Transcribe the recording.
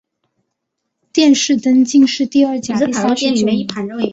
殿试登进士第二甲第三十九名。